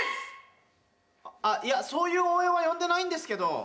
いやそういう応援は呼んでないんですけど。